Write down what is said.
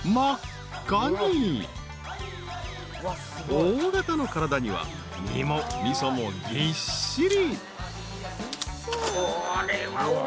［大形の体には身もみそもぎっしり］